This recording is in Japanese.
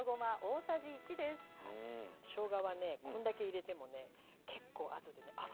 しょうがはねこんだけ入れてもね結構後でねあっ